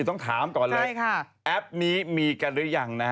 ต้องถามก่อนเลยแอปนี้มีกันหรือยังนะ